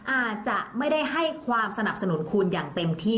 อาจจะไม่ได้ให้ความสนับสนุนคุณอย่างเต็มที่